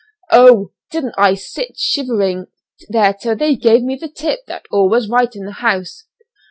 Oh! didn't I sit shivering there till they gave me the tip that all was right in the house.